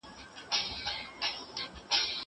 زه کالي نه وچوم!